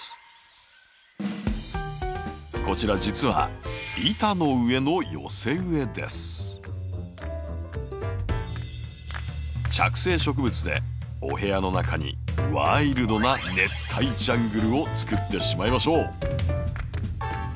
こちら実は着生植物でお部屋の中にワイルドな熱帯ジャングルをつくってしまいましょう！